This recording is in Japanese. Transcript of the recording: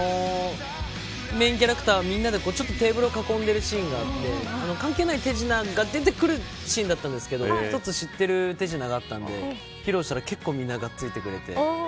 メーンキャラクターみんなでテーブルを囲んでいるシーンがあって関係ない手品が出てくるシーンだったんですけどちょっと知ってる手品だったんで披露したら結構みんな、がっついてくれて。